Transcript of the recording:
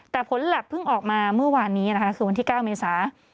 แต่ผลแลปเพิ่งออกมาเมื่อวานนี้นะคะคือวันที่๙เมษา